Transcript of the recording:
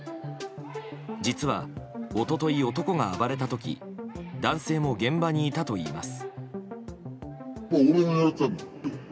実は一昨日、男が暴れた時男性も現場にいたといいます。